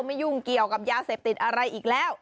ยุ่งเกี่ยวกับยาเสพติดอะไรอีกแล้ว